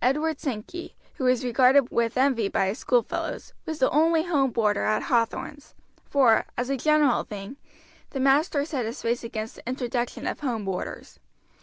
Edward Sankey, who was regarded with envy by his schoolfellows, was the only home boarder at Hathorn's; for, as a general thing, the master set his face against the introduction of home boarders.